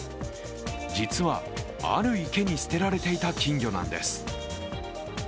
実は、ある池に捨てられていた金魚なんです。